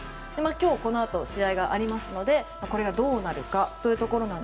今日このあと試合がありますのでこれがどうなるかと。